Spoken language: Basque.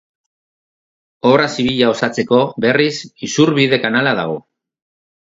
Obra zibila osatzeko, berriz, isurbide-kanala dago.